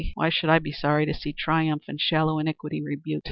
Why should I be sorry to see justice triumph and shallow iniquity rebuked?